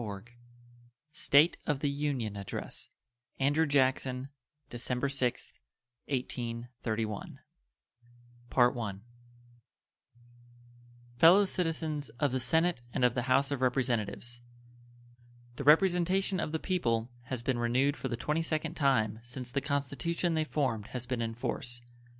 State of the Union Address Andrew Jackson December 6, 1831 Fellow Citizens of the Senate and of the House of Representatives: The representation of the people has been renewed for the 22nd time since the Constitution they formed has been in force.